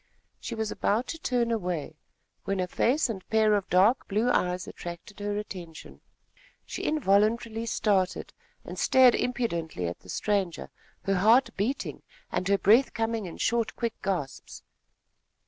She was about to turn away, when a face and pair of dark blue eyes attracted her attention. She involuntarily started and stared impudently at the stranger, her heart beating, and her breath coming in short quick gasps.